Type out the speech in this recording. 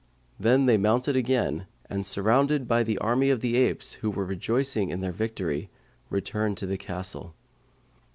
Then they mounted again and, surrounded by the army of the apes who were rejoicing in their victory, returned to the castle.